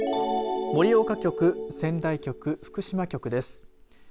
盛岡局、仙台局、福島局です。